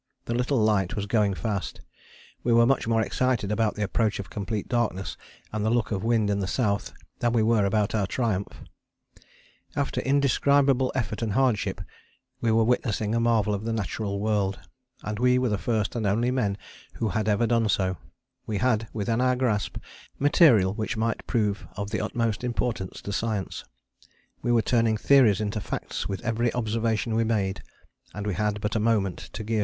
The little light was going fast: we were much more excited about the approach of complete darkness and the look of wind in the south than we were about our triumph. After indescribable effort and hardship we were witnessing a marvel of the natural world, and we were the first and only men who had ever done so; we had within our grasp material which might prove of the utmost importance to science; we were turning theories into facts with every observation we made, and we had but a moment to give.